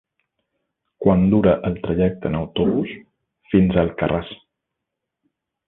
Quant dura el trajecte en autobús fins a Alcarràs?